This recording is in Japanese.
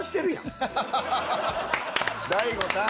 大悟さん！